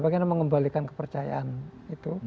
bagaimana mengembalikan kepercayaan itu